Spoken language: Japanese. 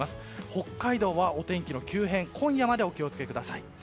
北海道はお天気の急変今夜までお気を付けください。